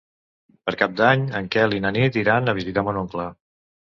Per Cap d'Any en Quel i na Nit aniran a visitar mon oncle.